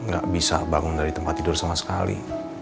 nggak bisa bangun dari tempat tidur sama sekali